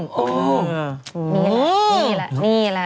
นี่แหละนี่แหละ